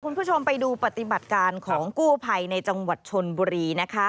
คุณผู้ชมไปดูปฏิบัติการของกู้ภัยในจังหวัดชนบุรีนะคะ